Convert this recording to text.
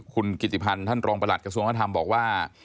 คุณกิติพันธ์ท่านรองประหลัดกระทรวงวัฒนธรรมบอกว่า